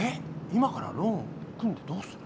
今からローン組んでどうする？